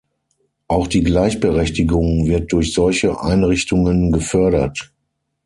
Auch die Gleichberechtigung wird durch solche Einrichtungen gefördert.